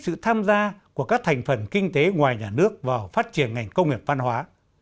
sự tham gia của các thành phần kinh tế ngoài nhà nước vào phát triển ngành công nghiệp văn hóa